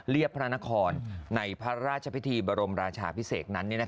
พระนครในพระราชพิธีบรมราชาพิเศษนั้น